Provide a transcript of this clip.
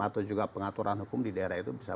atau juga pengaturan hukum di daerah itu bisa